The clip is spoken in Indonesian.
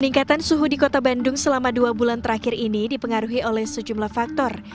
peningkatan suhu di kota bandung selama dua bulan terakhir ini dipengaruhi oleh sejumlah faktor